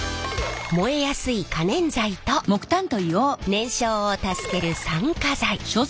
燃えやすい可燃剤と燃焼を助ける酸化剤。